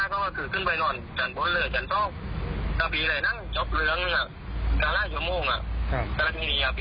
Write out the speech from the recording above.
น่ะปีขึ้นไปจะไปนอนกับเขาหวังว่าเราไปนอนกับเขา